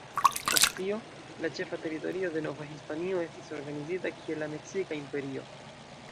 Post tio, la ĉefa teritorio de Nova Hispanio estis organizita kiel la Meksika Imperio.